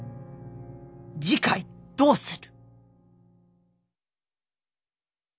次回どうする。